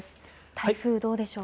台風、どうでしょうか。